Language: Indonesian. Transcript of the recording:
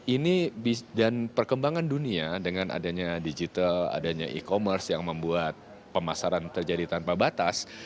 ini dan perkembangan dunia dengan adanya digital adanya e commerce yang membuat pemasaran terjadi tanpa batas